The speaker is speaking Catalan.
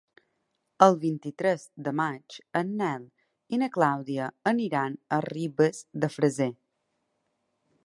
El vint-i-tres de maig en Nel i na Clàudia aniran a Ribes de Freser.